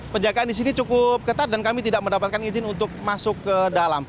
penjagaan di sini cukup ketat dan kami tidak mendapatkan izin untuk masuk ke dalam